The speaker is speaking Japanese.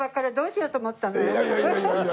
いやいやいやいや。